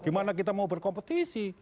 gimana kita mau berkompetisi